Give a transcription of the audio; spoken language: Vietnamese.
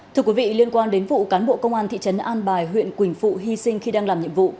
thưa quý vị liên quan đến vụ cán bộ công an thị trấn an bài huyện quỳnh phụ hy sinh khi đang làm nhiệm vụ